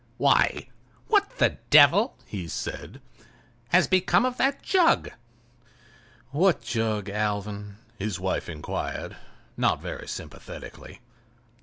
"Why!—what the devil," he said, "has become of that jug?" "What jug, Alvan?" his wife inquired, not very sympathetically.